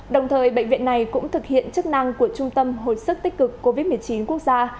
đồng thời bệnh viện này cũng thực hiện chức năng của trung tâm hồi sức tích cực covid một mươi chín quốc gia